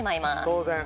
当然。